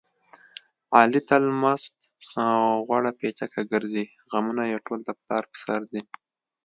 علي تل مست غوړه پیچکه ګرځي. غمونه یې ټول د پلار په سر دي.